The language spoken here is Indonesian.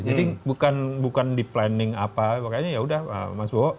jadi bukan di planning apa makanya ya udah mas bowo